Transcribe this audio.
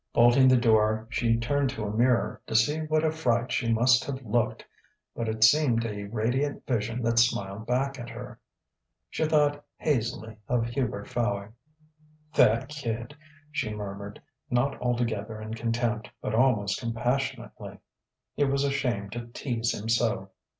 Bolting the door, she turned to a mirror "to see what a fright she must have looked." But it seemed a radiant vision that smiled back at her. She thought hazily of Hubert Fowey. "That kid!" she murmured, not altogether in contempt, but almost compassionately. It was a shame to tease him so....